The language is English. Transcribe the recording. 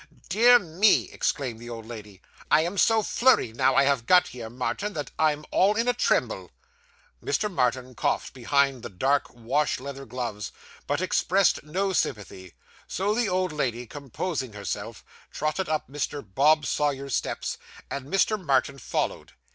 'Dear me!' exclaimed the old lady. 'I am so flurried, now I have got here, Martin, that I'm all in a tremble.' Mr. Martin coughed behind the dark wash leather gloves, but expressed no sympathy; so the old lady, composing herself, trotted up Mr. Bob Sawyer's steps, and Mr. Martin followed.